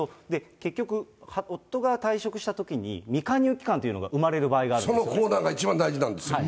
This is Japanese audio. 結局夫が退職したときに、未加入期間というのが生まれる場合があるんです。